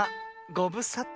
ごぶさた。